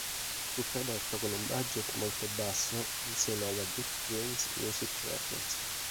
Fu prodotto con un budget molto basso in seno alla "Dick James Music Records".